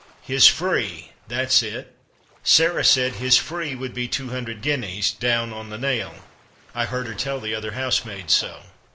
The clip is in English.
" His free— that's it ! Sarah said his free would be two hundred guineas — down on the nail. I heard her tell the other housemaid so."